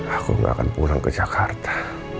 aku nggak akan pulang ke jakarta